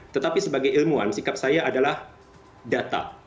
tetapi sebagai ilmuwan sikap saya adalah data